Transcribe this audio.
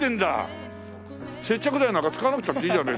接着剤なんか使わなくたっていいじゃん